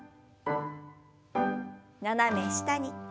斜め下に。